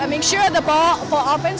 dan memastikan bola untuk menangani